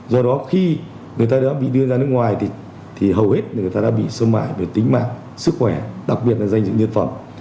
do đó khi người ta đã bị đưa ra nước ngoài thì hầu hết người ta đã bị sơ mãi về tính mạng sức khỏe đặc biệt là danh dựng nhiệt phẩm